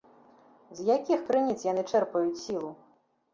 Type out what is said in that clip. З якіх крыніц яны чэрпаюць сілу?